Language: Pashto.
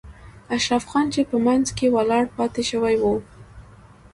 اشرف خان چې په منځ کې ولاړ پاتې شوی و.